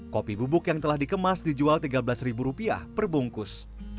kopi bubuk yang telah dikemas dijual tiga belas ribu rupiah per bungkus